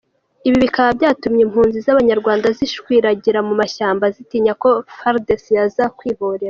ibi bikaba byatumye impunzi z’abanyarwanda zishwiragirira mu mashyamba zitinya ko fardc yaza kwihorera !